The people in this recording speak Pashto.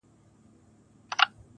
دى وايي دا,